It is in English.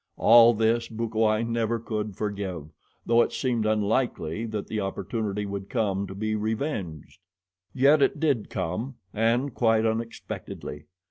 All this Bukawai never could forgive, though it seemed unlikely that the opportunity would come to be revenged. Yet it did come, and quite unexpectedly.